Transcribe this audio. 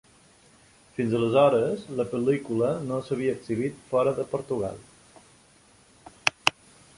Fins aleshores la pel·lícula no s'havia exhibit fora de Portugal.